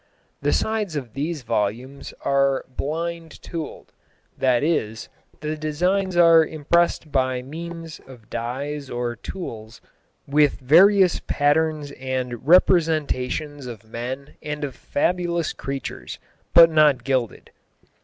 The sides of these volumes are blind tooled; that is, the designs are impressed by means of dies or tools with various patterns and representations of men and of fabulous creatures, but not gilded.